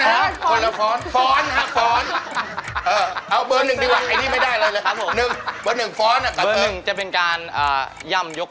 เออคนละฟ้อนนะครับ